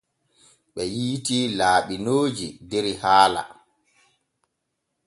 Ɓe yiitii laaɓinooji der haala.